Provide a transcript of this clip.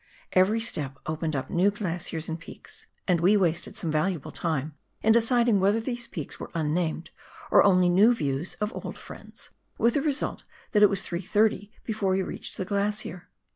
Every step opened up new glaciers and peaks, and we wasted some valuable time in deciding whether these peaks were unnamed or only new views of old friends, with the result that it was 3 "30 before we reached the glacier.